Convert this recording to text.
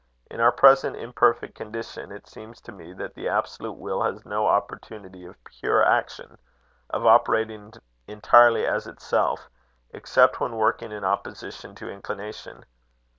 In our present imperfect condition, it seems to me that the absolute will has no opportunity of pure action, of operating entirely as itself, except when working in opposition to inclination.